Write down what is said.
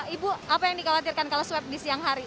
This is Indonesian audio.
ibu apa yang dikhawatirkan kalau swab di siang hari